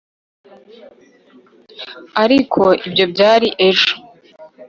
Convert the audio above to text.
ariko ibyo byari ejo